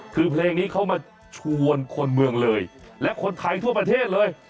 คือเพลงนี้เขามาชวนคนเมืองเลยและคนไทยทั่วประเทศเลย